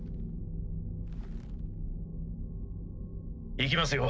行きますよ。